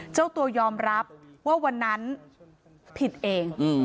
เจ้าตัวยอมรับว่าวันนั้นผิดเอง